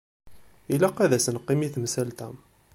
Ilaq ad as-neqqim i temsalt-a.